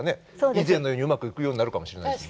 以前のようにうまくいくようになるかもしれないですね。